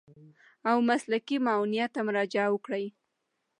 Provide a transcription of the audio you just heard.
او مسلکي معاونيت ته مراجعه وکړي.